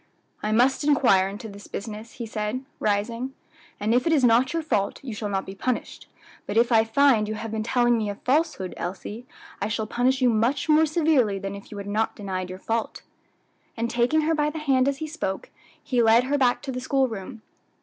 "I must inquire into this business," he said, rising, "and if it is not your fault you shall not be punished; but if I find you have been telling me a falsehood, Elsie, I shall punish you much more severely than if you had not denied your fault." And taking her by the hand as he spoke, he led her back to the school room.